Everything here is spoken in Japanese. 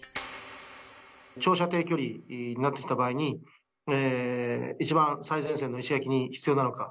長射程距離になってきた場合に、一番最前線の石垣に必要なのか。